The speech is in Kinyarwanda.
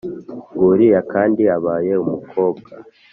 ng'uriya kandi abaye umukobwa